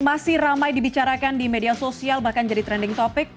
masih ramai dibicarakan di media sosial bahkan jadi trending topic